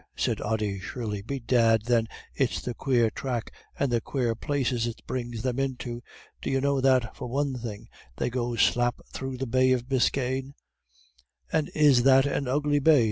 _" said Ody, shrilly. "Bedad, then, its the quare thrack, and the quare places it brings them into. D'you know that, for one thing, they go slap through the Bay of Bisky?"' "And is that an ugly bay?"